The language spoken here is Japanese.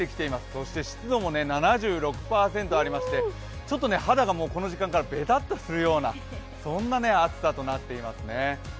そして湿度も７６％ありましてちょっと肌が、この時間からべたっとするような暑さになっていますね。